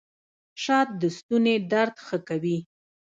شات د ستوني درد ښه کوي